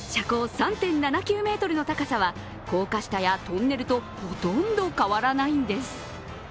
３．７９ｍの高さは、高架下やトンネルとほとんど変わらないんです。